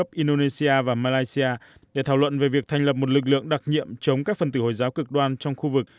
indonesia và malaysia để thảo luận về việc thành lập một lực lượng đặc nhiệm chống các phần tử hồi giáo cực đoan trong khu vực